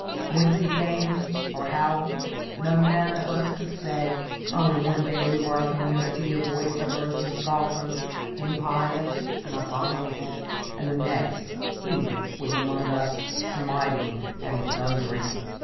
Whence he came, or how, no man of us could say. Only one day we were a community of roysterers and scoffers, impious and abominable, and the next he was amongst us smiting and thundering.